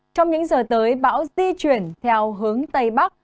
trong những giờ tới bão di chuyển theo hướng tây bắc